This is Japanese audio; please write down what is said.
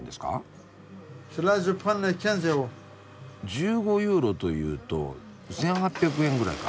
１５ユーロというと１，８００円ぐらいか。